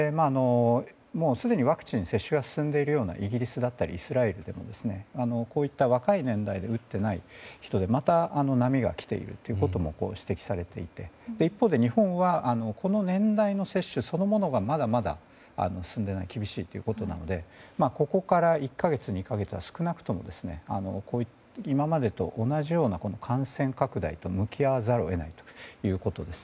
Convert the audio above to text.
すでにワクチン接種が進んでいるようなイギリスだったりイスラエルでは、若い年代で打っていない人でまた波が来ていることも指摘されていて一方で日本はこの年代の接種そのものがまだまだ進んでいなくて厳しいということなのでここから１か月、２か月は少なくとも今までと同じような感染拡大と向き合わざるを得ないということです。